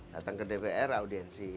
datang ke dpr audiensi